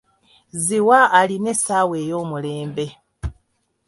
Ziwa alina essaawa ey'omulembe.